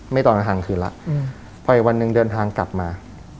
ตอนกลางคืนแล้วพออีกวันหนึ่งเดินทางกลับมา